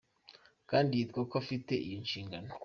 Kandi yitwa ko afite iyo nshingano.